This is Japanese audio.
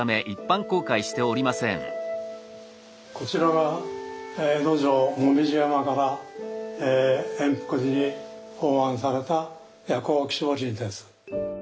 こちらが江戸城紅葉山から圓福寺に奉安された夜光鬼子母神です。